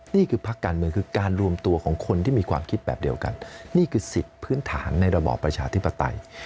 นี่คือพักการเมืองคือการรวมตัวของคนที่มีความคิดแบบเดียวกันนี่คือสิทธิ์พื้นฐานในระบอบประชาธิปไตย